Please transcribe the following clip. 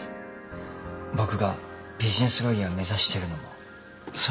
僕がビジネスロイヤー目指してるのもそのためで。